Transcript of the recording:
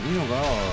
おい。